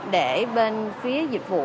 để bên phía dịch vụ